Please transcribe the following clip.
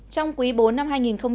trong quý bố năm hai nghìn một mươi chín